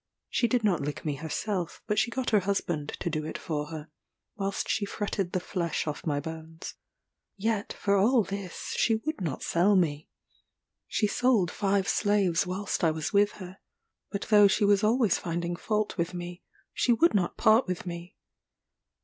She did not lick me herself, but she got her husband to do it for her, whilst she fretted the flesh off my bones. Yet for all this she would not sell me. She sold five slaves whilst I was with her; but though she was always finding fault with me, she would not part with me.